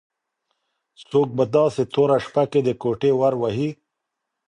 څوک په داسې توره شپه کې د کوټې ور وهي؟